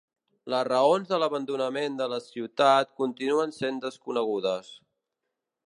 Les raons de l'abandonament de la ciutat continuen sent desconegudes.